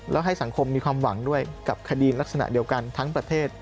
แล้วให้สังคมมีความหวังด้วยกับคดีลักษณะเดียวกันทั้งประเทศ